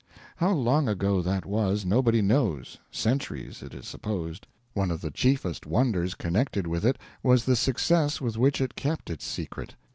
How long ago that was nobody knows centuries, it is supposed. One of the chiefest wonders connected with it was the success with which it kept its secret.